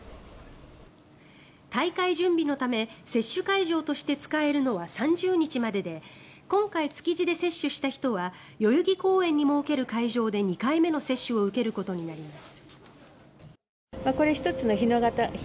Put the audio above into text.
大会準備のため接種会場として使えるのは３０日までで今回、築地で接種した人は代々木公園に設ける会場で２回目の接種を受けることになります。